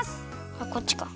あっこっちか。